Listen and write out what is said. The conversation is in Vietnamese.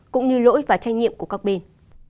cũng như lỗi và tranh nhiệm của các bên